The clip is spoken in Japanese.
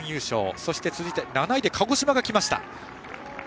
そして続いて７位で鹿児島が来ました。